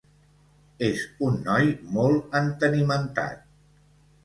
És un noi molt entenimentat.